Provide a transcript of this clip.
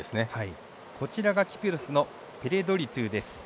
こちらがキプロスのペレンドリトゥです。